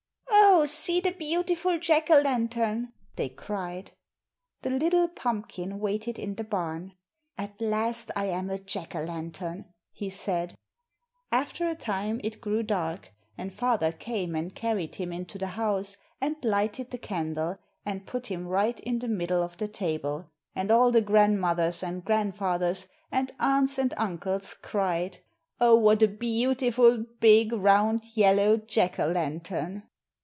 "Oh, see the beautiful Jack o' lantern!" they cried. The little pumpkin waited in the barn. "At last I am a Jack o' lantern," he said. After a time it grew dark, and father came and carried him into the house, and lighted the candle, and put him right in the middle of the table, and all the grandmothers and grandfathers, and aunts and uncles, cried, "Oh, what a beautiful, big, round, yellow Jack o' lantern!"